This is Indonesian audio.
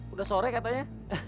udah sore katanya